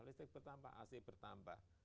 listrik bertambah ac bertambah